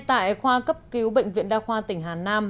tại khoa cấp cứu bệnh viện đa khoa tỉnh hà nam